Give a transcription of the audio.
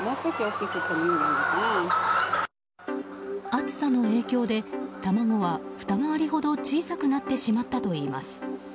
暑さの影響で、卵はふた回りほど小さくなってしまったといいます。